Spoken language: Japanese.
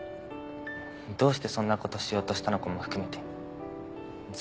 どうしてそんな事しようとしたのかも含めて全部。